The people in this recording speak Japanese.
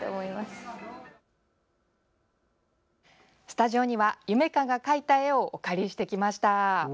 スタジオにはゆめ花が描いた絵をお借りしてきました。